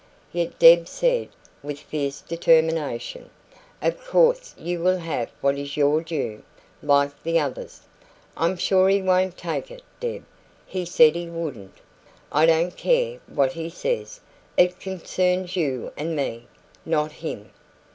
Yet Deb said, with fierce determination: "Of course you will have what is your due, like the others." "I'm sure he won't take it, Deb. He said he wouldn't." "I don't care what he says. It concerns you and me not him."